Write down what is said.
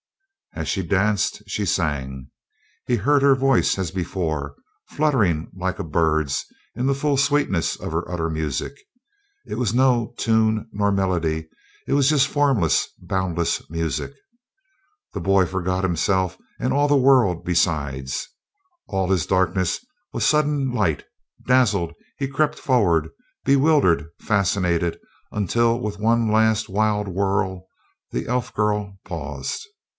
As she danced she sang. He heard her voice as before, fluttering like a bird's in the full sweetness of her utter music. It was no tune nor melody, it was just formless, boundless music. The boy forgot himself and all the world besides. All his darkness was sudden light; dazzled he crept forward, bewildered, fascinated, until with one last wild whirl the elf girl paused.